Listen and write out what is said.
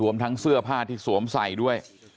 ทั้งเสื้อผ้าที่สวมใส่ด้วย